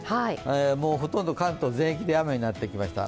ほとんど関東全域で雨になってきました。